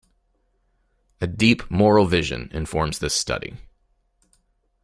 A deep moral vision informs this study.